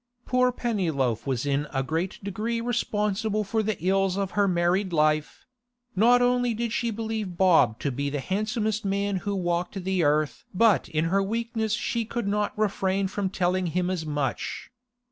Poor Pennyloaf was in a great degree responsible for the ills of her married life; not only did she believe Bob to be the handsomest man who walked the earth but in her weakness she could not refrain from telling him as much.